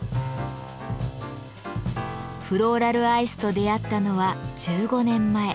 フローラルアイスと出会ったのは１５年前。